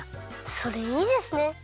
それいいですね！